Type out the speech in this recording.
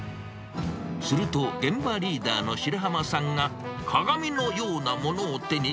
すると、現場リーダーの白浜さんが、鏡のようなものを手に、